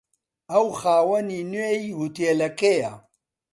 ئەو خاوەنی نوێی هۆتێلەکەیە.